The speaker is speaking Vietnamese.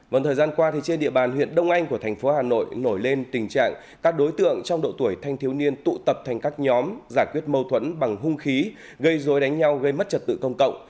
vẫn thời gian qua trên địa bàn huyện đông anh của thành phố hà nội nổi lên tình trạng các đối tượng trong độ tuổi thanh thiếu niên tụ tập thành các nhóm giải quyết mâu thuẫn bằng hung khí gây dối đánh nhau gây mất trật tự công cộng